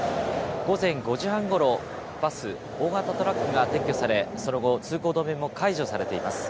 午前５時半ごろ、バス、大型トラックが撤去され、その後、通行止めも解除されています。